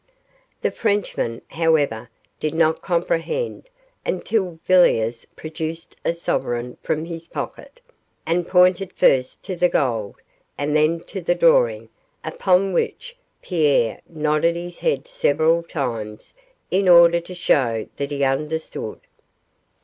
The Frenchman, however, did not comprehend until Villiers produced a sovereign from his pocket, and pointed first to the gold, and then to the drawing, upon which Pierre nodded his head several times in order to show that he understood.